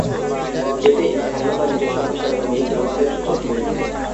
এতে স্থানীয় বা নিজস্ব ভাষার ডোমেইন ব্যবহারের সুযোগ হবে।